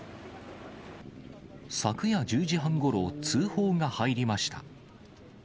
昨夜１０時半ごろ、通報が入りました。